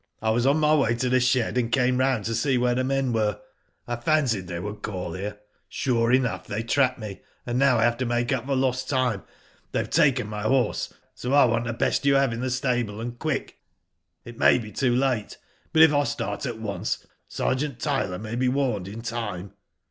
I was on my way to the shed, and came round to see where the men were. I fancied they would call here. Sure Digitized byGoogk ATTACK ON THE HOMESTEAD. 163 enough they trapped me, and now I have to make up for lost time. They have taken my horse, so I want the best you have in the staWe, and quick. It may be too late, but if I start at once^ Sergeant Tyler may be warned in time.''